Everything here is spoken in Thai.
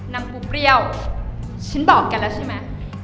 นางกูเปรี้ยวฉันบอกแกแล้วใช่มั้ย